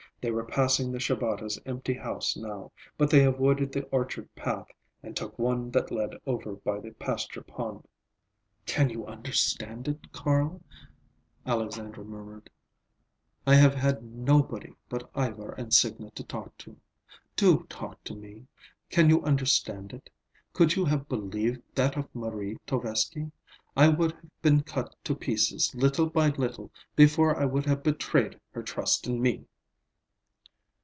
They were passing the Shabatas' empty house now, but they avoided the orchard path and took one that led over by the pasture pond. "Can you understand it, Carl?" Alexandra murmured. "I have had nobody but Ivar and Signa to talk to. Do talk to me. Can you understand it? Could you have believed that of Marie Tovesky? I would have been cut to pieces, little by little, before I would have betrayed her trust in me!"